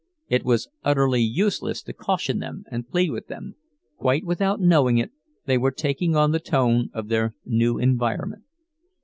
It was utterly useless to caution them and plead with them; quite without knowing it, they were taking on the tone of their new environment.